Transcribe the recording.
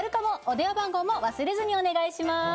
お電話番号も忘れずにお願いします。